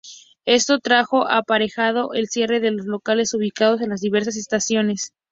Esto trajo aparejado el cierre de los locales ubicados en las diversas estaciones.